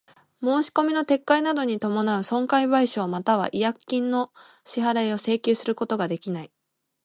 申込みの撤回等に伴う損害賠償又は違約金の支払を請求することができない。